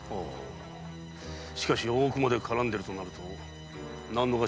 しかし大奥まで絡んでるとなると納戸頭